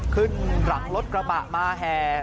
ขึ้นหลังรถกระบะมาแห่